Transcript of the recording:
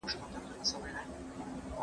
زه پرون لاس مينځلی و!؟